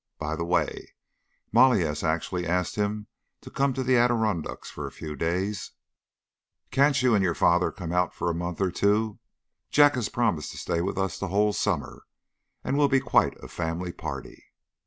By the way, Molly has actually asked him to come to the Adirondacks for a few days. Can't you and your father come for a month or two? Jack has promised to stay with us the whole summer, and we'll be quite a family party."